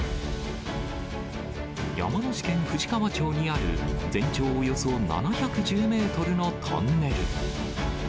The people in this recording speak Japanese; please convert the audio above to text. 山梨県富士川町にある全長およそ７１０メートルのトンネル。